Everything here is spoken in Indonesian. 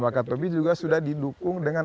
wakatobi juga sudah didukung dengan